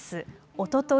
おととい